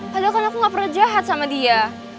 padahal kan aku gak pernah jahat sama dia